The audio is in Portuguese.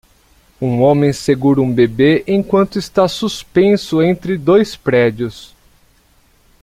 Um homem segura um bebê enquanto está suspenso entre dois prédios.